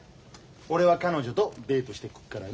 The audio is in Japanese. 俺は彼女とデートしてくっからね。